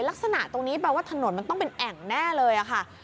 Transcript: ลักษณะตรงนี้แปลว่าถนนมันต้องเป็นแอ่งแน่เลยค่ะ